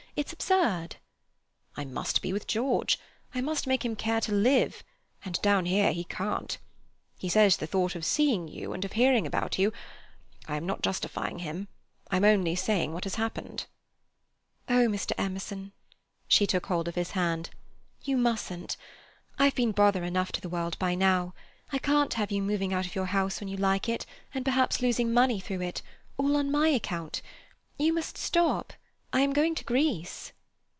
It's absurd." "I must be with George; I must make him care to live, and down here he can't. He says the thought of seeing you and of hearing about you—I am not justifying him: I am only saying what has happened." "Oh, Mr. Emerson"—she took hold of his hand—"you mustn't. I've been bother enough to the world by now. I can't have you moving out of your house when you like it, and perhaps losing money through it—all on my account. You must stop! I am just going to Greece."